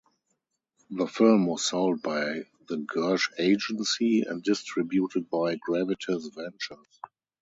The film was sold by The Gersh Agency and distributed by Gravitas Ventures.